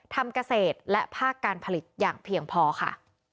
ทำเกษตรและภาคการผลิตอย่างเพียงพอค่ะ